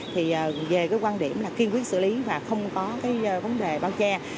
thì về quan điểm kiên quyết xử lý và không có vấn đề bao che